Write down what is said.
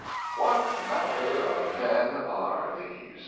"What manner of men are these?"